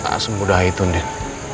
gak semudah itu andin